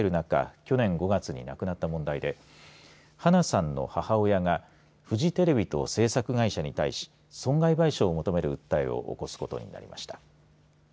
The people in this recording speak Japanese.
去年５月に亡くなった問題で花さんの母親がフジテレビと制作会社に対し損害賠償を求める訴えを起こすことになりました。